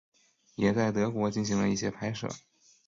也在德国进行了一些拍摄。